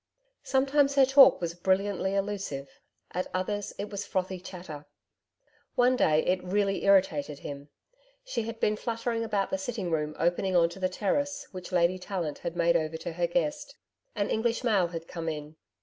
Sometimes her talk was brilliantly allusive; at others it was frothy chatter. One day it really irritated him. She had been fluttering about the sitting room opening on to the terrace, which Lady Tallant had made over to her guest. An English mail had come in.